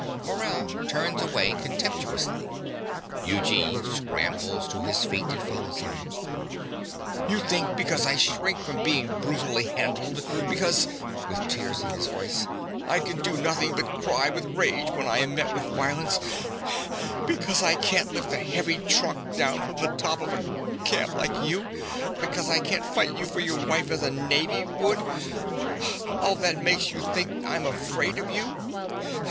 (Morell turns away contemptuously. Eugene scrambles to his feet and follows him.) You think because I shrink from being brutally handled because (with tears in his voice) I can do nothing but cry with rage when I am met with violence because I can't lift a heavy trunk down from the top of a cab like you because I can't fight you for your wife as a navvy would: all that makes you think that I'm afraid of you.